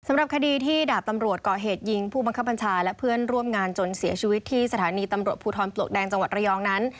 สำหรับคดีที่ดาบตำรวจก่อเหตุยิงผู้บังคับบัญชาและเพื่อนร่วมงานจนเสียชีวิตที่สถานีตำรวจภูทรปลวกแดงจังหวัดระยองนั้น